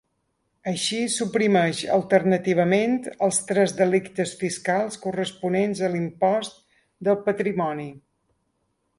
Així, suprimeix, alternativament, els tres delictes fiscals corresponents a l’impost del patrimoni.